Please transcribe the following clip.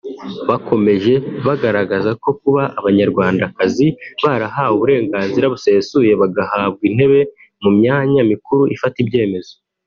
Bakomeje bagaragaza ko kuba Abanyarwandakazi barahawe uburenganzira busesuye bagahabwa intebe mu myanya mikuru ifata ibyemezo